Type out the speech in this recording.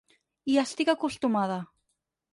Hi estic acostumada.